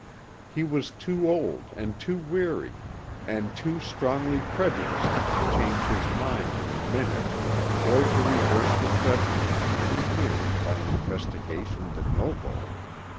He was too old and too weary, and too strongly prejudiced to change his mind in a minute or to reverse the judgment of many years by an investigation de novo.